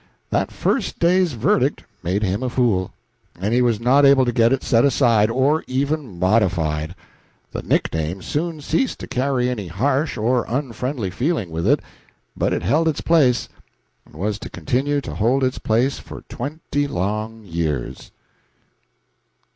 That first day's verdict made him a fool, and he was not able to get it set aside, or even modified. The nickname soon ceased to carry any harsh or unfriendly feeling with it, but it held its place, and was to continue to hold its place for twenty long years.